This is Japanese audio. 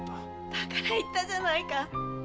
だから言ったじゃないか。